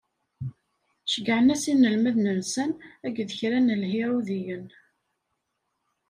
Ceggɛen-as inelmaden-nsen akked kra n Ihiṛudiyen.